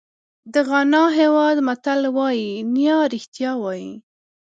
د غانا هېواد متل وایي نیا رښتیا وایي.